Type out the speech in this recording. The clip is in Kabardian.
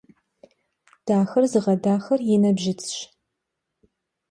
Daxer zığedaxer yi nabdzit'ş.